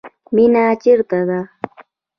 مینه چیرته ده؟